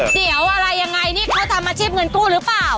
เดี๋ยวอะไรยังไงนี่เขาทำอาชีพเงินกู้หรือเปล่า